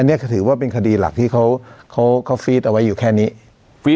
อันนี้ก็ถือว่าเป็นคดีหลักที่เขาเขาฟีดเอาไว้อยู่แค่นี้ฟีด